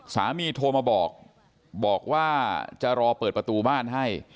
โทรมาบอกบอกว่าจะรอเปิดประตูบ้านให้